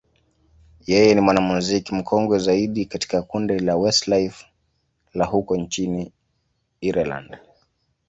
yeye ni mwanamuziki mkongwe zaidi katika kundi la Westlife la huko nchini Ireland.